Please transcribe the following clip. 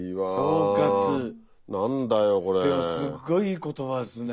でもすっごいいい言葉ですね。